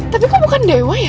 tapi kok bukan dewa ya